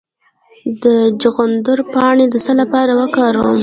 د چغندر پاڼې د څه لپاره وکاروم؟